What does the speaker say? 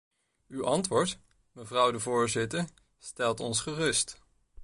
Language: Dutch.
Uw antwoord, mevrouw de voorzitter, stelt ons gerust.